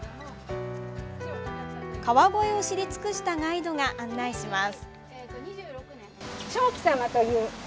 川越を知り尽くしたガイドが案内します。